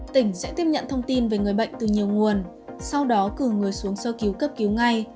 tỉnh sẽ tiếp nhận thông tin về người bệnh từ nhiều nguồn sau đó cử người xuống sơ cứu cấp cứu ngay